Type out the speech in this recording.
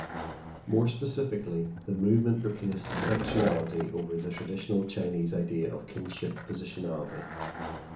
More specifically, the movement replaced sexuality over the traditional Chinese idea of kinship positionality.